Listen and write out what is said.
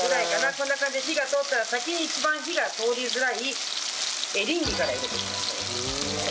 こんな感じで火が通ったら先に一番火が通りづらいエリンギから入れていきましょう。